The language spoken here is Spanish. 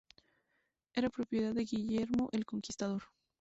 Era propiedad de Guillermo el Conquistador.